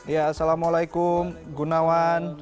ya assalamualaikum gunawan